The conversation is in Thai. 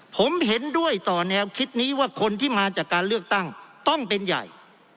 ผมเห็นด้วยต่อแนวคิดนี้ว่าคนที่มาจากการเลือกตั้งต้องเป็นใหญ่